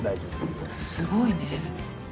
すごいね。